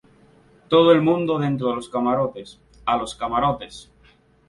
¡ todo el mundo dentro de los camarotes! ¡ a los camarotes!